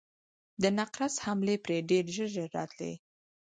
د نقرس حملې پرې ډېر ژر ژر راتلې.